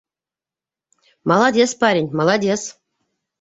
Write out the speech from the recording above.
— Молодец, парень, молодец!